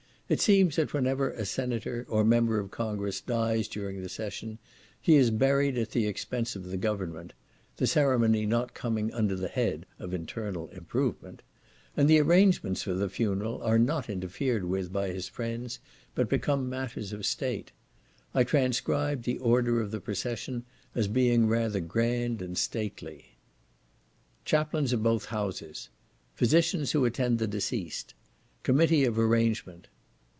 It seems that whenever a senator or member of Congress dies during the session, he is buried at the expense of the government, (the ceremony not coming under the head of internal improvement), and the arrangements for the funeral are not interfered with by his friends, but become matters of State. I transcribed the order of the procession as being rather grand and stately. Chaplains of both Houses. Physicians who attend the deceased. Committee of arrangement.